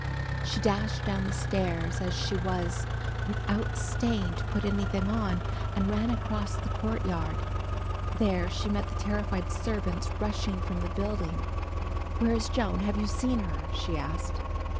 She dashed down the stairs, as she was, without staying to put anything on, and ran across the court yard. There she met the terrified servants rushing from the building. "Where is Joan, have you seen her?" she asked.